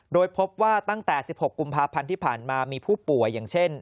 โดยพบว่าตั้งแต่๑๖กุมภาพันธ์ที่ผ่านมามีผู้ป่วยอย่างเช่น